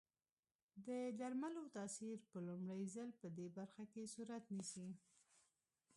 د درملو تاثیر په لومړي ځل پدې برخه کې صورت نیسي.